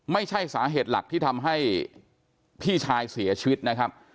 ไม่ใช่สาเหตุหลักที่ทำให้พี่ชายเสียชีวิตนะครับ